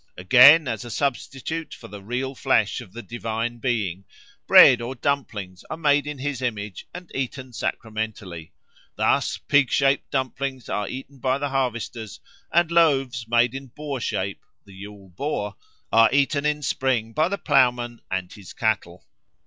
Again, as a substitute for the real flesh of the divine being, bread or dumplings are made in his image and eaten sacramentally; thus, pig shaped dumplings are eaten by the harvesters, and loaves made in boar shape (the Yule Boar) are eaten in spring by the ploughman and his cattle.